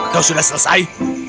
kau sudah selesai